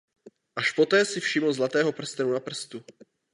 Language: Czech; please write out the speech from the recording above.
Až poté si všiml zlatého prstenu na prstu.